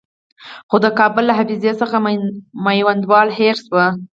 خو د کابل له حافظې څخه میوندوال هېر شوی.